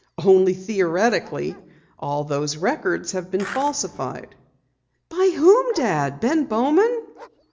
"Only theoretically. All those records have been falsified." "By whom, Dad? Ben Bowman?"